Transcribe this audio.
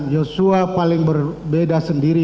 yosua paling berbeda sendiri